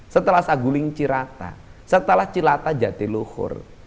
setelah saguling cirata setelah cilata jatiluhur